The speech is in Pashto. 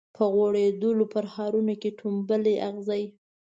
په غوړیدولو پرهرونو کي ټومبلي اغزي